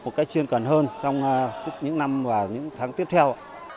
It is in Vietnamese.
một cách chuyên cần hơn trong những năm và những tháng tiếp theo